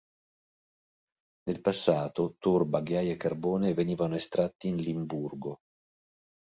Nel passato torba, ghiaia e carbone venivano estratti in Limburgo.